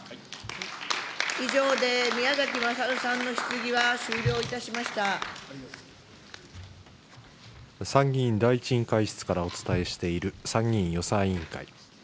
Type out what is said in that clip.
以上で宮崎勝さんの質疑は終参議院第１委員会室からお伝えしている参議院予算委員会。